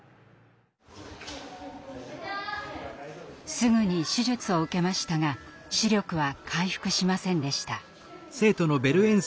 すぐに手術を受けましたが視力は回復しませんでした。